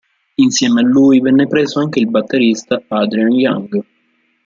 Insieme a lui venne preso anche il batterista Adrian Young.